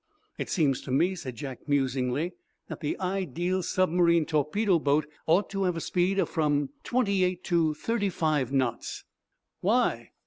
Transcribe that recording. "It seems to me," said Jack, musingly, "that the ideal submarine torpedo boat ought to have a speed of from twenty eight, to thirty five knots." "Why?"